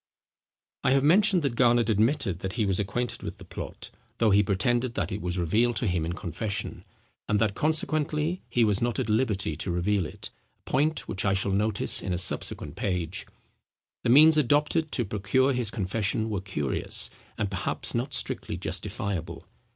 I have mentioned that Garnet admitted that he was acquainted with the plot, though he pretended that it was revealed to him in confession, and that consequently he was not at liberty to reveal it, a point which I shall notice in a subsequent page. The means adopted to procure his confession were curious, and perhaps not strictly justifiable.